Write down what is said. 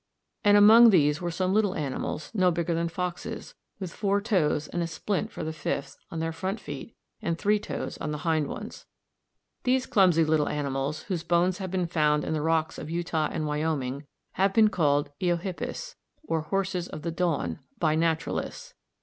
And among these were some little animals no bigger than foxes, with four toes and a splint for the fifth, on their front feet, and three toes on the hind ones. These clumsy little animals, whose bones have been found in the rocks of Utah and Wyoming, have been called Eohippus, or horses of the dawn, by naturalists.